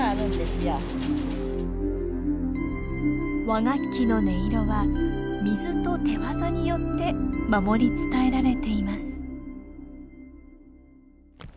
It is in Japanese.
和楽器の音色は水と手技によって守り伝えられています。